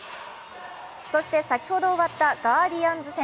そして先ほど終わったガーディアンズ戦。